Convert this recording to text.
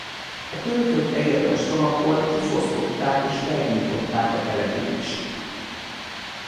A törökök Eger ostromakor kifosztották és felgyújtották a települést.